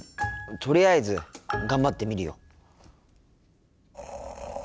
とりあえず頑張ってみるよ。